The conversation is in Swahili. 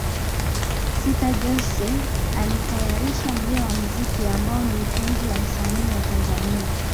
sita Jose alitayarisha mlio wa mziki ambao ni utunzi wa msanii wa Tanzania